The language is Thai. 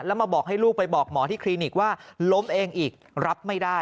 แล้วมาบอกให้ลูกไปบอกหมอที่คลินิกว่าล้มเองอีกรับไม่ได้